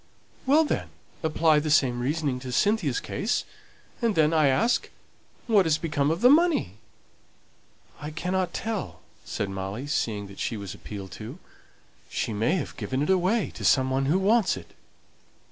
"Well, then, apply the same reasoning to Cynthia's case; and then, I ask, what has become of the money?" "I cannot tell," said Molly, seeing that she was appealed to. "She may have given it away to some one who wants it."